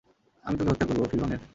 আমি তোকে হত্যা করবো, ফিওরনের।